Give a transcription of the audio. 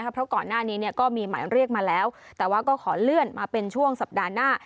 เพราะก่อนหน้านี้ก็มีหมายเรียกมาแล้วแต่ว่าก็ขอเลื่อนมาเป็นช่วงสัปดาห์หน้า